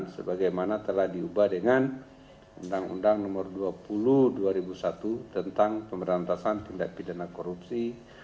sebagaimana telah diubah dengan undang undang nomor dua puluh dua ribu satu tentang pemberantasan tindak pidana korupsi